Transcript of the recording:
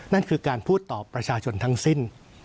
นั่นคือการพูดต่อประชาชนทั้งสิ้น